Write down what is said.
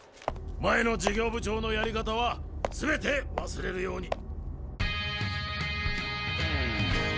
前の事業部長のやり方はすべて忘れるように！